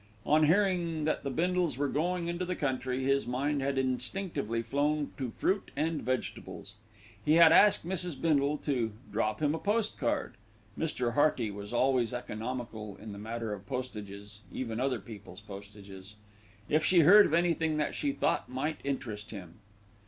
On hearing that the Bindles were going into the country, his mind had instinctively flown to fruit and vegetables. He had asked Mrs. Bindle to "drop him a postcard" (Mr. Hearty was always economical in the matter of postages, even other people's postages) if she heard of anything that she thought might interest him.